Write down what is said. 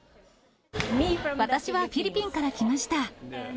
私はフィリピンから来ました。